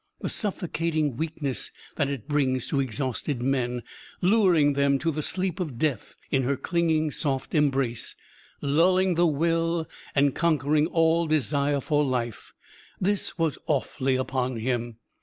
The suffocating weakness that it brings to exhausted men, luring them to the sleep of death in her clinging soft embrace, lulling the will and conquering all desire for life this was awfully upon him.